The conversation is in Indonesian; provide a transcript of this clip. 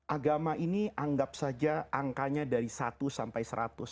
agama ini anggap saja angkanya dari satu sampai seratus